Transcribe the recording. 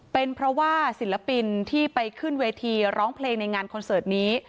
เป็นเพราะว่าศิลปินที่ไปขึ้นเวทีร้องเพลงในงานคอนเสิร์ตนี้